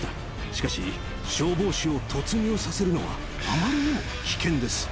しかし消防士を突入させるのはあまりにも危険です。